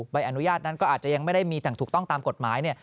ใบอนุญาตนั้นก็อาจจะยังไม่ได้มีอย่างถูกต้องตามกฎหมายเนี่ย